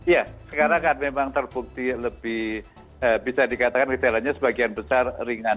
ya sekarang kan memang terbukti lebih bisa dikatakan gejalanya sebagian besar ringan